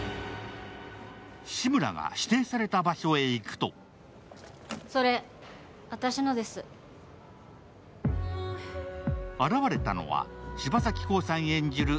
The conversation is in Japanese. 志村が指定された場所へ行くと現れたのは、柴咲コウさん演じる